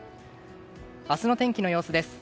明日の天気の様子です。